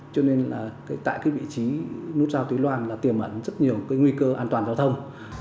cho nên là tại cái vị trí nút giao túy loan là tiềm ẩn rất nhiều cái nguy cơ an toàn giao thông